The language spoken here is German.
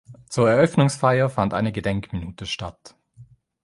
Zur Eröffnungsfeier fand eine Gedenkminute statt.